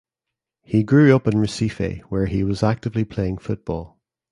He grew up in Recife where he was actively playing football.